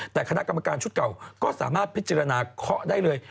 แต่คณะกรรมการชุดเก่าก็สามารถพิจารณาเคาะได้เลย